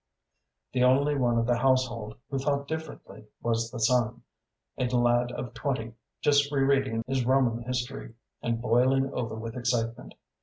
The only one of the household who thought differently was the son, a lad of twenty, just re reading his Roman history, and boiling over with excitement.